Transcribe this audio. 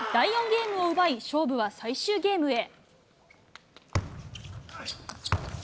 ゲームを奪い、勝負は最終ゲームへ。